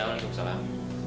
ya walaikum salam